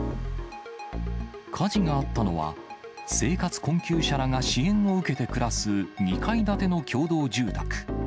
火事があったのは、生活困窮者らが支援を受けて暮らす２階建ての共同住宅。